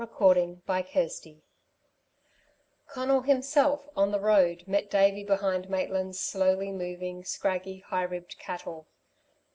CHAPTER XXVIII Conal himself, on the road, met Davey behind Maitland's slowly moving, scraggy, high ribbed cattle.